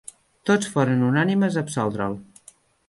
Tots foren unànimes a absoldre'l.